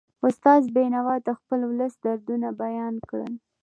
استاد بینوا د خپل ولس دردونه بیان کړل.